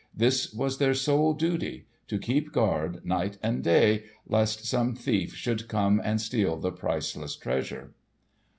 This was their sole duty—to keep guard night and day lest some thief should come and steal the priceless treasure.